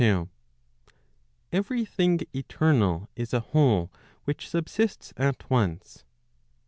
Every thing eternal is a whole which subsists at once.